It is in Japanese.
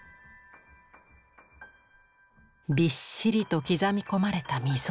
びっしりと刻み込まれた溝。